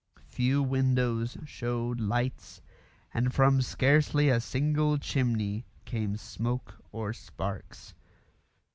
Few windows showed lights, and from scarcely a single chimney came smoke or sparks.